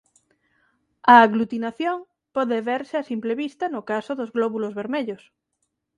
A aglutinación pode verse a simple vista no caso dos glóbulos vermellos.